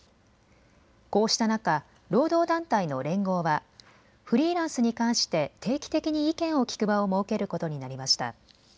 こうした中、労働団体の連合はフリーランスに関して定期的に意見を聞く場を設けることになりました。